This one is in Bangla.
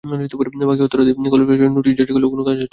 পাখি হত্যা রোধে কলেজ প্রশাসন নোটিশ জারি করলেও কোনো কাজ হচ্ছে না।